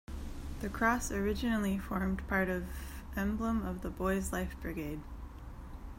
The cross originally formed part of emblem of the Boys' Life Brigade.